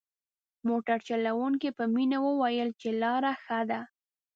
موټر چلوونکي په مينه وويل چې لاره ښه ده.